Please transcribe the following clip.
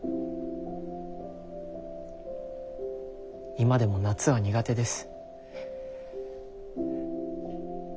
今でも夏は苦手です。